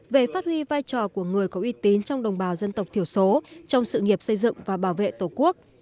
về phát huy vai trò của người có uy tín trong đồng bào dân tộc thiểu số trong sự nghiệp xây dựng và bảo vệ tổ quốc